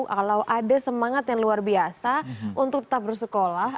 kalau ada semangat yang luar biasa untuk tetap bersekolah